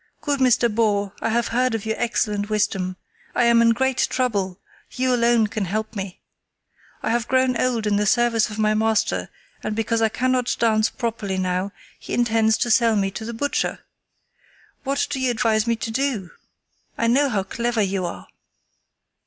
"Good Mr. Boar, I have heard of your excellent wisdom. I am in great trouble, you alone can help me. I have grown old in the service of my master, and because I cannot dance properly now he intends to sell me to the butcher. What do you advise me to do? I know how clever you are!"